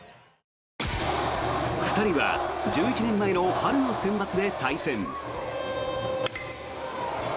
２人は１１年前の春のセンバツで対戦。